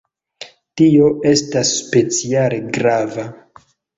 Tio estas speciale grava.